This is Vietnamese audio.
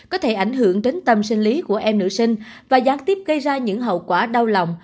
có thể ảnh hưởng đến tâm sinh lý của em nữ sinh và gián tiếp gây ra những hậu quả đau lòng